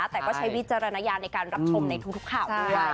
แต่ก็ใช้วิจารณญาณในการรับชมในทุกข่าวด้วย